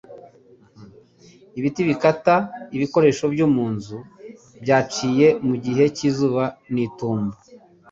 Ibiti bikata ibikoresho byo mu nzu byaciwe mu gihe cyizuba n'itumba,